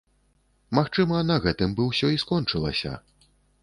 Магчыма, на гэтым бы ўсё і скончылася.